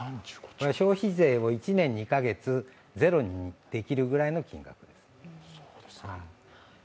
消費税を１年２か月ゼロにできるぐらいの金額です。